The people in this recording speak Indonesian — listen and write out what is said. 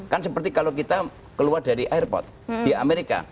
kan seperti kalau kita keluar dari airport di amerika